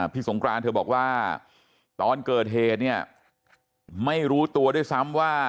สงกรานเธอบอกว่าตอนเกิดเหตุเนี่ยไม่รู้ตัวด้วยซ้ำว่า